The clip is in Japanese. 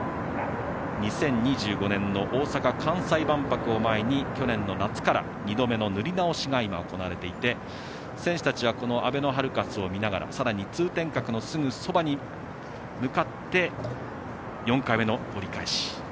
２０２５年の大阪・関西万博を前に去年の夏から２度目の塗り直しが今、行われていて選手たちはあべのハルカスを見ながらさらに通天閣のすぐそばに向かって４回目の折り返し。